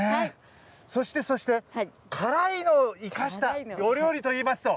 そしてそして、辛いのを生かしたお料理といいますと。